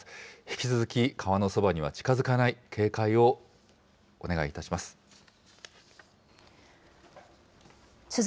引き続き、川のそばには近づかない、警戒をお願いいたします。